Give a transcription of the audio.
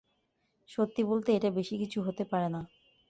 সত্যি বলতে, এটা বেশি কিছু হতে পারে না।